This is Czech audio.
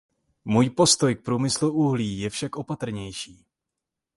Můj postoj k průmyslu uhlí je však opatrnější.